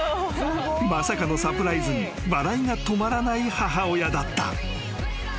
［まさかのサプライズに笑いが止まらない母親だった］